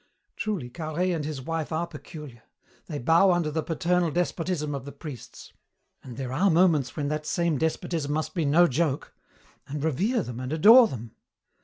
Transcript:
"Truly, Carhaix and his wife are peculiar. They bow under the paternal despotism of the priests and there are moments when that same despotism must be no joke and revere them and adore them.